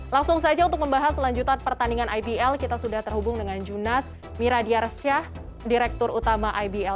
langsung saja untuk membahas selanjutan pertandingan ibl kita sudah terhubung dengan junas miradiarsyah direktur utama ibl